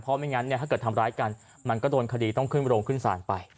เพราะไม่งั้นเนี่ยถ้าเกิดทำร้ายกันมันก็โดนคดีต้องขึ้นโรงขึ้นศาลไป